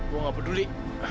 gue gak peduli